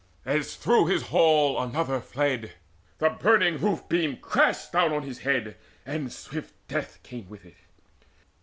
As through his hall Another fled, the burning roof beam crashed Down on his head, and swift death came with it.